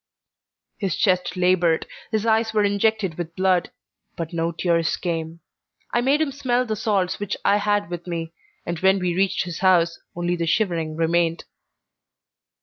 His chest laboured, his eyes were injected with blood, but no tears came. I made him smell the salts which I had with me, and when we reached his house only the shivering remained.